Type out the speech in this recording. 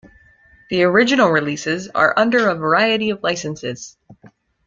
The original releases are under a variety of licenses.